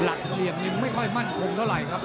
หลักเหนียงยิงไม่ค่อยมั่นคงเท่าไหร่ครับ